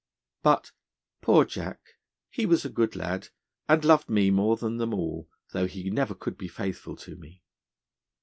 But, poor Jack, he was a good lad, and loved me more than them all, though he never could be faithful to me.'